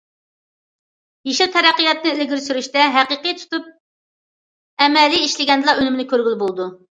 يېشىل تەرەققىياتنى ئىلگىرى سۈرۈشتە ھەقىقىي تۇتۇپ ئەمەلىي ئىشلىگەندىلا ئۈنۈمىنى كۆرگىلى بولىدۇ.